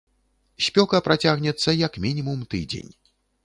Спёка працягнецца як мінімум тыдзень.